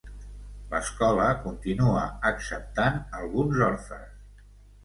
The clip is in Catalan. L'escola continua acceptant alguns orfes.